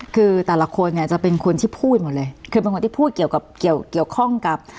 คือแต่ละคนเนี่ยจะเป็นคนที่พูดหมดเลยคือเป็นคนที่พูดเกี่ยวกับเกี่ยวเกี่ยวข้องกับ